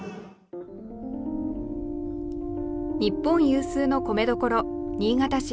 日本有数の米どころ、新潟市。